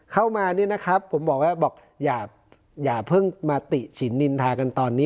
เข้ามาเนี่ยนะครับผมบอกว่าบอกอย่าเพิ่งมาติฉินนินทากันตอนนี้